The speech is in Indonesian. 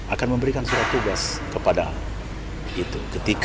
akan memberikan surat tugas kepada itu